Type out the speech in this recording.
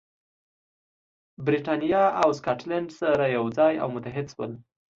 برېټانیا او سکاټلند سره یو ځای او متحد شول.